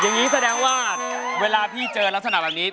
อย่างนี้แสดงว่าเวลาพี่เจอลักษณะแบบนี้